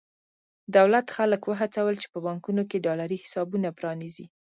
دولت خلک وهڅول چې په بانکونو کې ډالري حسابونه پرانېزي.